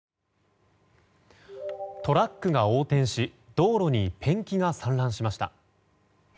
トラックが横転し道路にペンキが散乱しました。